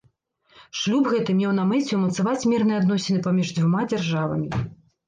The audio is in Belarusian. Шлюб гэты меў на мэце ўмацаваць мірныя адносіны паміж дзвюма дзяржавамі.